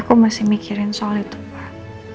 aku masih mikirin soal itu pak